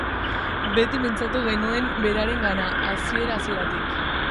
Beti pentsatu genuen berarengan, hasiera-hasieratik.